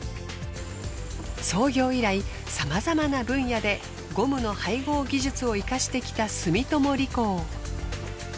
創業以来さまざまな分野でゴムの配合技術を生かしてきた住友理工。